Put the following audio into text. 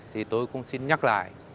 thì tôi cũng xin nhắc lại